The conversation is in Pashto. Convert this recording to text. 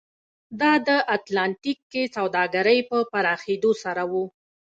دا د اتلانتیک کې سوداګرۍ په پراخېدو سره و.